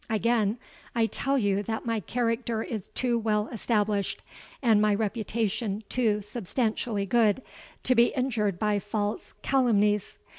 Again I tell you that my character is too well established, and my reputation too substantially good, to be injured by false calumnies.